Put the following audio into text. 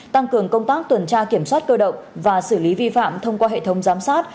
tăng cường công tác tuần tra kiểm soát cơ động và xử lý vi phạm thông qua hệ thống giám sát